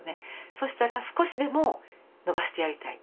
そしたら少しでものばしてやりたい。